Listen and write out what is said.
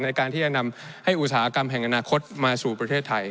ในการที่จะนำให้อุตสาหกรรมแห่งอนาคตมาสู่ประเทศไทย